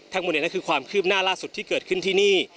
ทั้งหมดนี้คือความคืบหน้าล่าสุดที่เกิดขึ้นที่นี่